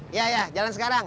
iya iya jalan sekarang